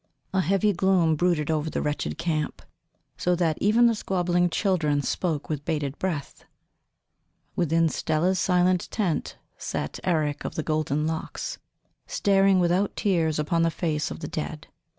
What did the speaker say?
A heavy gloom brooded over the wretched camp, so that even the squabbling children spoke with bated breath. Within Stella's silent tent sat Eric of the golden locks, staring without tears upon the face of the dead.